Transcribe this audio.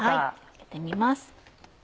開けてみます。